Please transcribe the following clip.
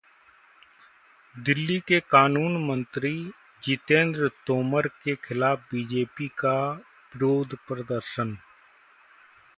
दिल्ली के कानून मंत्री जितेंद्र तोमर के खिलाफ बीजेपी का विरोध प्रदर्शन